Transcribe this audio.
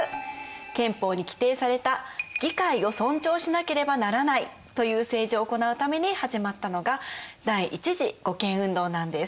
憲法に規定された「議会を尊重しなければならない」という政治を行うために始まったのが第一次護憲運動なんです。